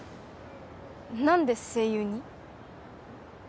何で声優に？